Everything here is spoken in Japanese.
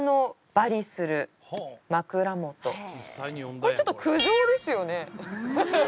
これちょっと苦情ですよね？